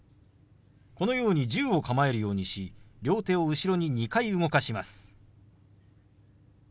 このように銃を構えるようにし両手を後ろに２回動かします。